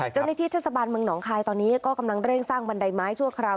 เจ้าหน้าที่เทศบาลเมืองหนองคายตอนนี้ก็กำลังเร่งสร้างบันไดไม้ชั่วคราว